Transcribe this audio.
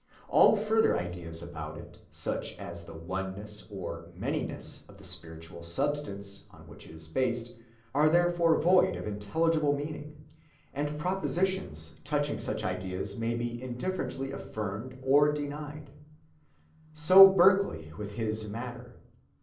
All further ideas about it, such as the oneness or manyness of the spiritual substance on which it is based, are therefore void of intelligible meaning; and propositions touching such ideas may be indifferently affirmed or denied. So Berkeley with his "matter."